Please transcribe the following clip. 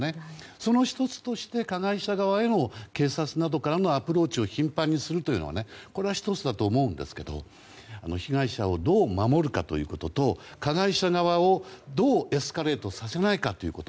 その１つとして加害者側への、警察からのアプローチを頻繁にするというのは１つだと思うんですけども被害者をどう守るかということと加害者側を、どうエスカレートさせないかということ。